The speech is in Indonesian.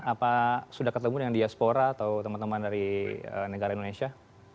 apa sudah ketemu dengan diaspora atau teman teman dari negara indonesia